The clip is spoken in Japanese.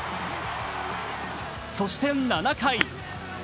そして７回。